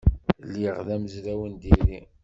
Lliɣ d amezraw n diri.